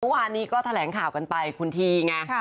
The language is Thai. เมื่อวานนี้ก็แถลงข่าวกันไปคุณทีไง